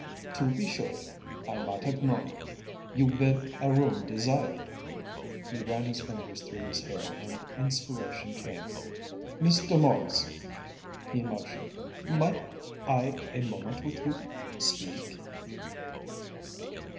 "To be sure.... I might have known.... You will a room desire." ... He ran his fingers through his hair, and inspiration came. "Mr. Maurice," he motioned, "might I a moment with you speak?"